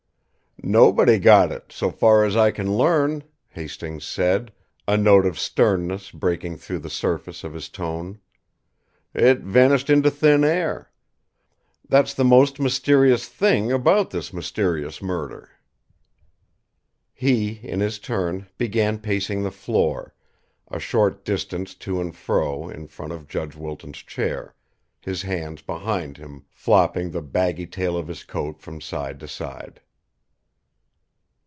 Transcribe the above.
"Nobody got it, so far as I can learn," Hastings said, a note of sternness breaking through the surface of his tone. "It vanished into thin air. That's the most mysterious thing about this mysterious murder." He, in his turn, began pacing the floor, a short distance to and fro in front of Judge Wilton's chair, his hands behind him, flopping the baggy tail of his coat from side to side.